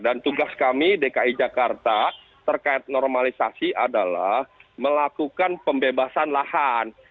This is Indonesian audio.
dan tugas kami dki jakarta terkait normalisasi adalah melakukan pembebasan lahan